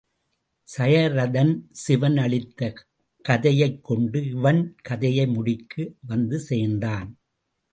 சயத்ரதன் சிவன் அளித்த கதையைக் கொண்டு இவன் கதையை முடிக்க வந்து சேர்ந்தான்.